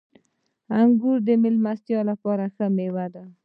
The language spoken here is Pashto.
• انګور د میلمستیا لپاره ښه مېوه ده.